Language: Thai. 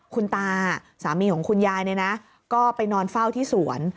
คุณตาสามีของคุณยายเนี่ยนะก็ไปนอนเฝ้าที่สวน